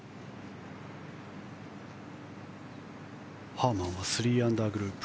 ハーマンは３アンダーグループ。